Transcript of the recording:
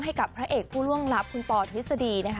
ให้กับพระเอกผู้ล่วงรับคุณปทวิสดี